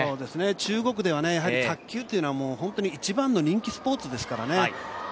中国では卓球っていうのは一番の人気スポーツですからね。